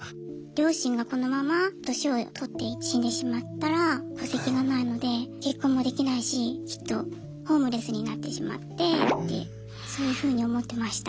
両親がこのまま年を取って死んでしまったら戸籍がないので結婚もできないしきっとホームレスになってしまってってそういうふうに思ってました。